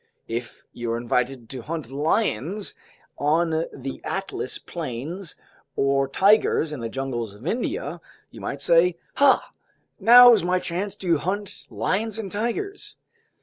If you're invited to hunt lions on the Atlas plains or tigers in the jungles of India, you might say: "Ha! Now's my chance to hunt lions and tigers!"